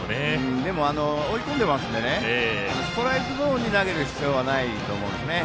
でも追い込んでますのでストライクゾーンに投げる必要はないと思うんですね。